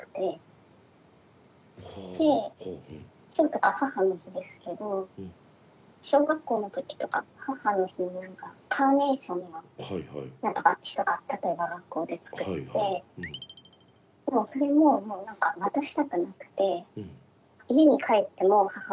で今日とか母の日ですけど小学校の時とか母の日に何かカーネーションの何かバッジとか例えば学校で作ってでもそれももう何か渡したくなくて家に帰っても母親に渡さなかったりとか。